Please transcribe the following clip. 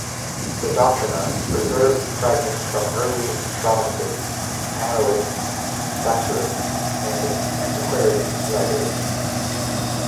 The "Doctrina" preserves fragments from early dramatists, annalists, satirists, and antiquarian writers.